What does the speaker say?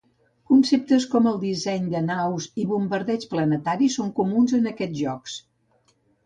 Conceptes com el disseny de naus i bombardeigs planetaris són comuns en aquests jocs.